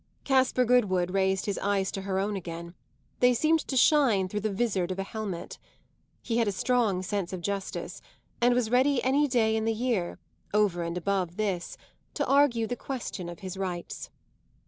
Caspar Goodwood raised his eyes to her own again; they seemed to shine through the vizard of a helmet. He had a strong sense of justice and was ready any day in the year over and above this to argue the question of his rights.